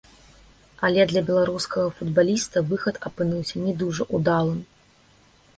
Але для беларускага футбаліста выхад апынуўся не дужа ўдалым.